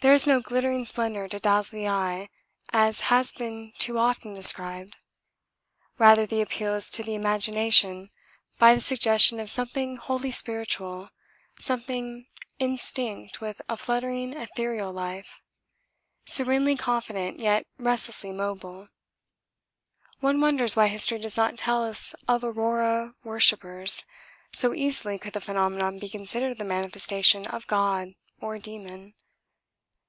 There is no glittering splendour to dazzle the eye, as has been too often described; rather the appeal is to the imagination by the suggestion of something wholly spiritual, something instinct with a fluttering ethereal life, serenely confident yet restlessly mobile. One wonders why history does not tell us of 'aurora' worshippers, so easily could the phenomenon be considered the manifestation of 'god' or 'demon.'